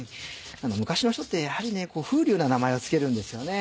昔の人ってやはり風流な名前を付けるんですよね。